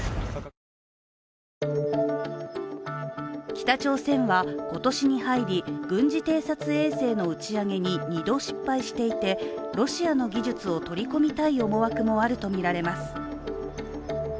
北朝鮮は今年に入り、軍事偵察衛星の打ち上げに２度失敗していてロシアの技術を取り込みたい思惑もあるとみられます。